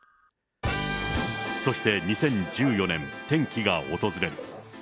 そして２０１４年、転機が訪れる。